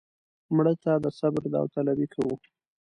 مړه ته د صبر داوطلبي کوو